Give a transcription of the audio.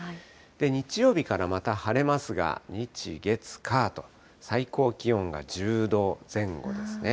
日曜日からまた晴れますが、日、月、火と最高気温が１０度前後ですね。